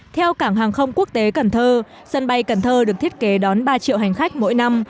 theo cảng hàng không quốc tế cần thơ sân bay cần thơ được thiết kế đón ba triệu hành khách mỗi năm